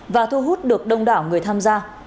và thu hút được đông đảo người tham gia